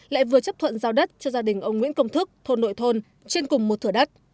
lại vừa chấp thuận giao đất cho gia đình ông nguyễn công thức thôn nội thôn trên cùng một thửa đất